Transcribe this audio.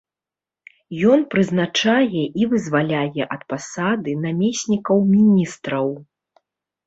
Ён прызначае і вызваляе ад пасады намеснікаў міністраў.